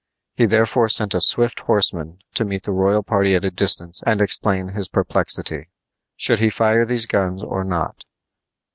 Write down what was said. He therefore sent a swift horseman to meet the royal party at a distance and explain his perplexity. Should he fire these guns or not?